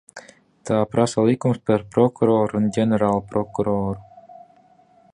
Tā prasa likums par prokuroru un ģenerālprokuroru.